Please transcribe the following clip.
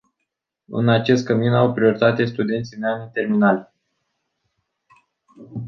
În acest cămin au prioritate studenții în ani terminali.